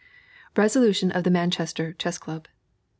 RESOLUTION OF THE MANCHESTER CHESS CLUB.